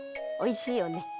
おいしいよね。